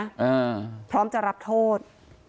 อ่าพร้อมจะรับโทษ